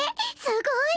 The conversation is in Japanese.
すごい。